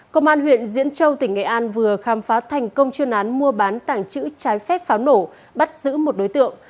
công an huyện diễn châu tỉnh nghệ an vừa khám phá thành công chuyên án mua bán tảng chữ trái phép pháo nổ bắt giữ một đối tượng